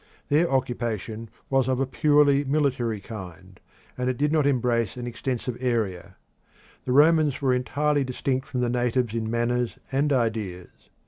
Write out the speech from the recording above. Their occupation was of a purely military kind, and it did not embrace an extensive area. The Romans were entirely distinct from the natives in manners and ideas.